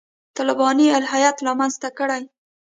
طالباني الهیات رامنځته کړي دي.